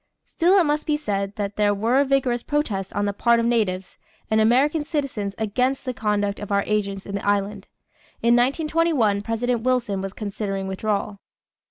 Still it must be said that there were vigorous protests on the part of natives and American citizens against the conduct of our agents in the island. In 1921 President Wilson was considering withdrawal.